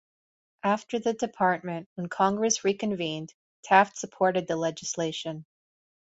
After the department, when Congress reconvened, Taft supported the legislation.